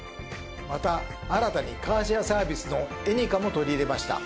また新たにカーシェアサービスのＡｎｙｃａも取り入れました。